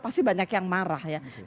pasti banyak yang marah ya